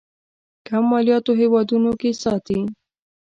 کم مالياتو هېوادونو کې ساتي.